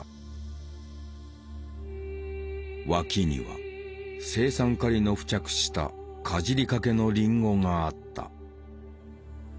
脇には青酸カリの付着したかじりかけのリンゴがあった。